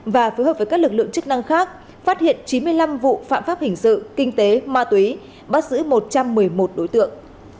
và phối hợp với các lực lượng chức năng khác phát hiện chín mươi năm vụ phạm pháp hình sự kinh tế ma túy bắt giữ một trăm một mươi một đối tượng